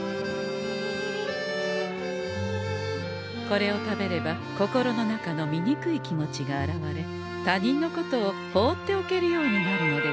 これを食べれば心の中のみにくい気持ちが洗われ他人のことを放っておけるようになるのでござんす。